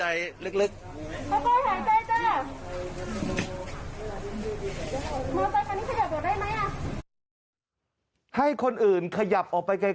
ให้คนอื่นขยับออกไปไกล